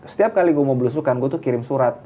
setiap kali gue mau belusukan gue tuh kirim surat